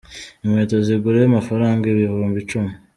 Inkweto zigura amafaranga ibihumbi icumi.